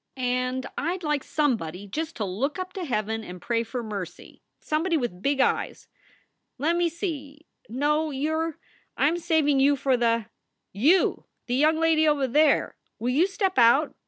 ... And I d like somebody just to look up to heaven and pray for mercy somebody with big eyes. Let me see no, you re I m saving you for the You, the young lady over there will you step out